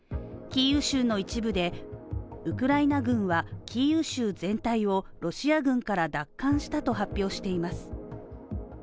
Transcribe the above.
キーウ州の一部でウクライナ軍は、キーウ州全体をロシア軍から奪還したと発表しています。